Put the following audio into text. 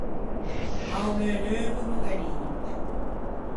A-o meu neuvo no gh’é ninte.